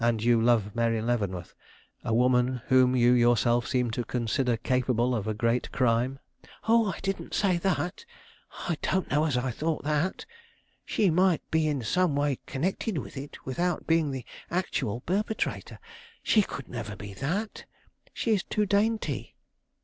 "And you love Mary Leavenworth; a woman whom you yourself seem to consider capable of a great crime?" "Oh, I didn't say that; I don't know as I thought that. She might be in some way connected with it, without being the actual perpetrator. She could never be that; she is too dainty."